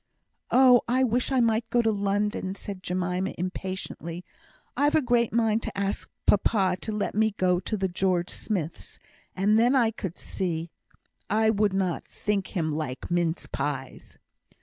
"Oh, I wish I might go to London!" said Jemima, impatiently. "I've a great mind to ask papa to let me go to the George Smiths', and then I could see . I would not think him like mince pies."